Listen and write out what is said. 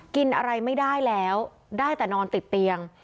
กินอะไรไม่ได้แล้วได้แต่นอนติดเตียง